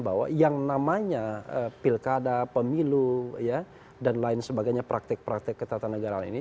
bahwa yang namanya pilkada pemilu dan lain sebagainya praktek praktek ketatanegaraan ini